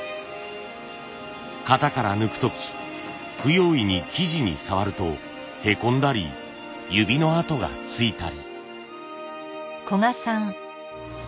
型から抜く時不用意に素地に触るとへこんだり指の跡がついたり。